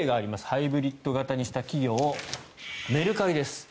ハイブリッド型にした企業メルカリです。